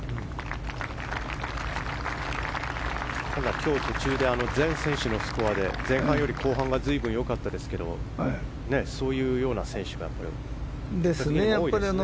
今日、途中で全選手のスコアで前半より後半が良かったですけどそういうような選手が多いですね。